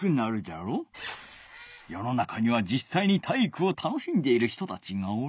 よの中にはじっさいに体育を楽しんでいる人たちがおる。